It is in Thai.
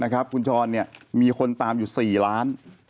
คุณช้อนมีคนตามอยู่๔ล้าน